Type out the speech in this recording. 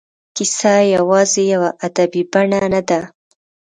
کیسه یوازې یوه ادبي بڼه نه ده.